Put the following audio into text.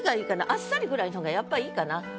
「あっさり」ぐらいの方がやっぱ良いかな。